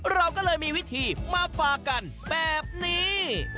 เราก็เลยมีวิธีมาฝากกันแบบนี้